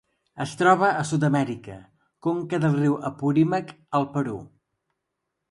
Es troba a Sud-amèrica: conca del riu Apurímac al Perú.